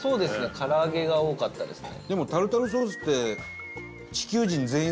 から揚げが多かったですね。